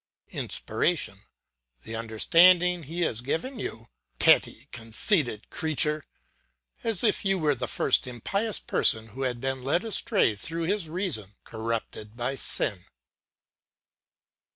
"INSPIRATION: The understanding he has given you! Petty, conceited creature! As if you were the first impious person who had been led astray through his reason corrupted by sin.